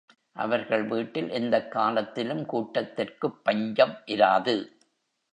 அவர்கள் வீட்டில் எந்தக் காலத்திலும் கூட்டத்திற்குப் பஞ்சம் இராது.